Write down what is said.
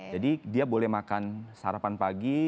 jadi dia boleh makan sarapan pagi